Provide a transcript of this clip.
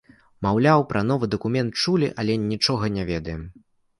Маўляў, пра новы дакумент чулі, але нічога не ведаем.